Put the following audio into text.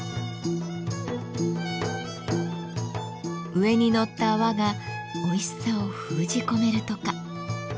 上にのった泡がおいしさを封じ込めるとか。